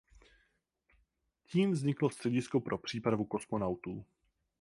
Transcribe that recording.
Tím vzniklo Středisko pro přípravu kosmonautů.